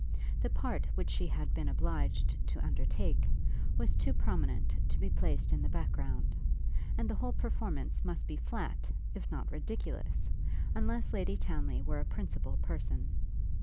The part which she had been obliged to undertake, was too prominent to be placed in the back ground; and the whole performance must be flat, if not ridiculous, unless Lady Townly were a principal person.